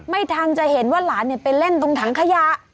ไม่ทันจะเห็นว่าหลานไปเล่นตรงถังขยะ